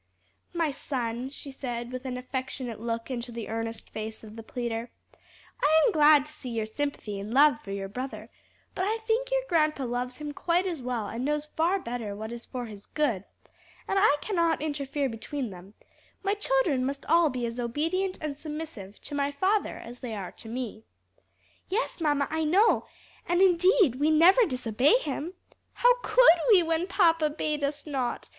"My son," she said with an affectionate look into the earnest face of the pleader, "I am glad to see your sympathy and love for your brother, but I think your grandpa loves him quite as well and knows far better what is for his good, and I cannot interfere between them; my children must all be as obedient and submissive to my father as they are to me." "Yes, mamma, I know, and indeed we never disobey him. How could we when papa bade us not?